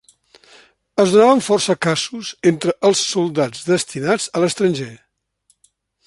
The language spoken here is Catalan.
Es donaven força casos entre els soldats destinats a l'estranger.